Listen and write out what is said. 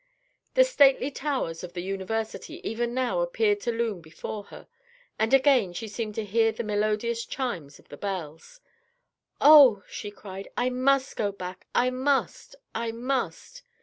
The stately towers of the university even now appeared to loom before her, and again she seemed to hear the melodious chimes of the bells. "Oh!" she cried, "I must go back. I must! I must!"